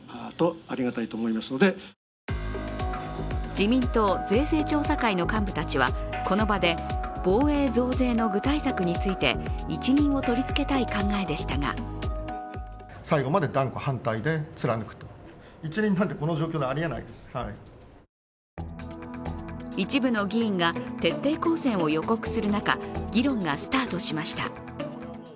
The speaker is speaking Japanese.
自民党・税制調査会の幹部たちはこの場で防衛増税の具体策について一任を取り付けたい考えでしたが一部の議員が徹底抗戦を予告する中、議論がスタートしました。